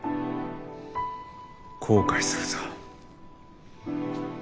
後悔するぞ。